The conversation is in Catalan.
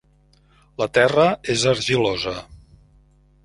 La terra és argilosa.